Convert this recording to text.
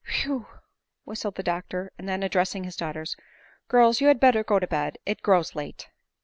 " Whew !" whistled the doctor ; and then addressing his daughters, " Girls you had better go to bed ; it grows late."